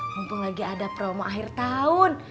mumpung lagi ada promo akhir tahun